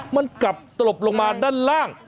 มันกลับตลบลงมาด้านล่าง